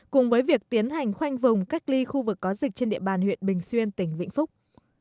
cùng với việc tiến hành khoanh vùng cách ly khu vực có dịch trên địa bàn huyện bình xuyên tỉnh vĩnh phúc